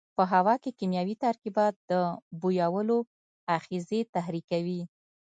په هوا کې کیمیاوي ترکیبات د بویولو آخذې تحریکوي.